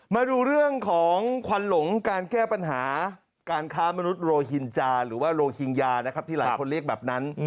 มาดูเรื่องของควันหลงการแก้ปัญหาการค้ามนุษยโรฮินจาหรือว่าโรฮิงญานะครับที่หลายคนเรียกแบบนั้น